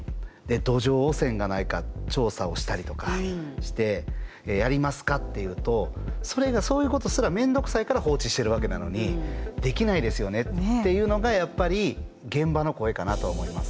土壌汚染がないか調査をしたりとかしてやりますかっていうとそれがそういうことすら面倒くさいから放置しているわけなのにできないですよねっていうのがやっぱり現場の声かなと思います。